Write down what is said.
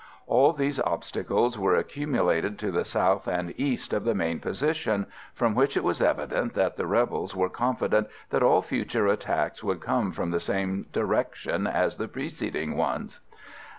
All these obstacles were accumulated to the south and east of the main position, from which it was evident that the rebels were confident that all future attacks would come from the same direction as the preceding ones.